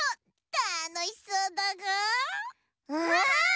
たのしそうだぐ！